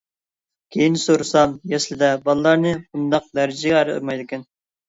كېيىن سورىسام يەسلىدە بالىلارنى بۇنداق دەرىجىگە ئايرىمايدىكەن.